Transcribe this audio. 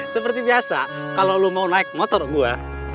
seperti biasa kalo lo mau naik motor buat gue